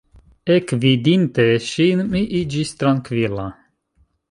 Ekvidinte ŝin, mi iĝis trankvila.